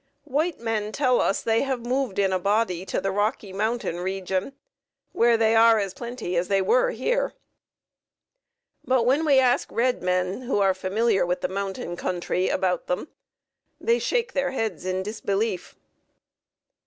White men tell us they have moved in a body to the Rocky Mountain region, where they are as plenty as they were here, but when we ask red men, who are familiar with the mountain country, about them, they shake their heads in disbelief.